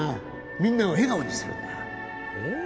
みんなを笑顔にするんだえっ？